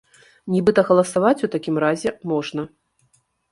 Нібыта галасаваць у такім разе можна.